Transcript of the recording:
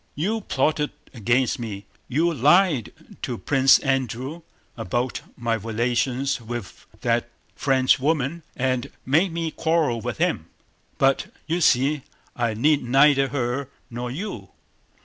You plotted against me, you lied to Prince Andrew about my relations with that Frenchwoman and made me quarrel with him, but you see I need neither her nor you!"